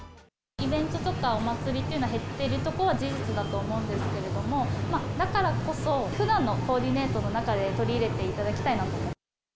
イベントとかお祭りというのが減っていることは事実だと思うんですけれども、だからこそ、ふだんのコーディネートの中で取り入れていただきたいなと思って。